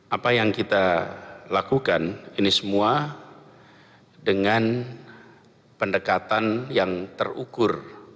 apa yang kita lakukan ini semua dengan pendekatan yang terukur